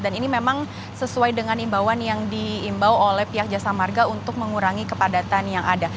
dan ini memang sesuai dengan imbauan yang diimbau oleh pihak jasa marga untuk mengurangi kepadatan yang ada